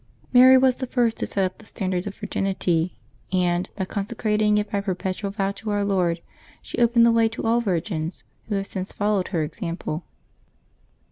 Mary was the first who set up the standard of virginity; and, by consecrating it by a per petual vow to Our Lord, she opened the way to all virgins who have since followed her example.